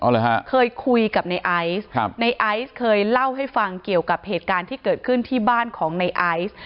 เลยฮะเคยคุยกับในไอซ์ครับในไอซ์เคยเล่าให้ฟังเกี่ยวกับเหตุการณ์ที่เกิดขึ้นที่บ้านของในไอซ์